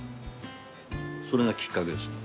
それがきっかけですね。